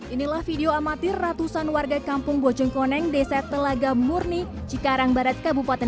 inilah video amatir ratusan warga kampung bojongkoneng desa telaga murni cikarang barat kabupaten